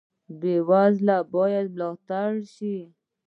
بې وزله باید ملاتړ شي